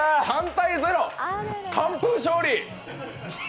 ３対０完封勝利！